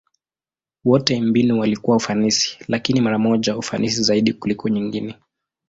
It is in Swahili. Wote mbinu walikuwa ufanisi, lakini mara moja ufanisi zaidi kuliko nyingine.